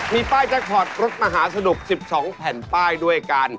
มีป้ายแจ็คพอร์ตรถมหาสนุก๑๒แผ่นป้ายด้วยกัน